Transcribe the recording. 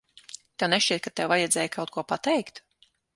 Tev nešķiet, ka tev vajadzēja kaut ko pateikt?